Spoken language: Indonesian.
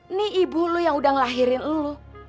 ini ibu lo yang udah ngelahirin lo